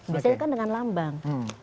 biasanya kan dengan lambang